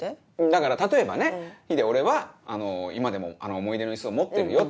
だから例えばねヒデ俺は今でもあの思い出のイスを持ってるよと。